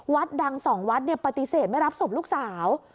วัดดังสองวัดปฏิเสธไม่รับศพลูกสาว